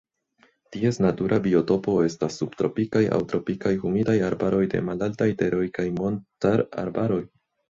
Ties natura biotopo estas subtropikaj aŭ tropikaj humidaj arbaroj de malaltaj teroj kaj montararbaroj.